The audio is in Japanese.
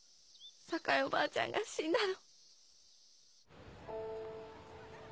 栄おばあちゃんが死んだの。